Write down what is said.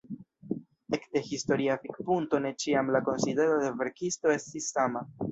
Ekde historia vidpunkto ne ĉiam la konsidero de verkisto estis sama.